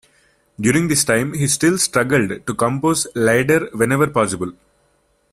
During this time, he still struggled to compose lieder whenever possible.